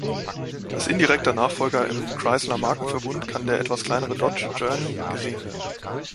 Als indirekter Nachfolger im Chrysler-Markenverbund kann der etwas kleinere Dodge Journey gesehen werden.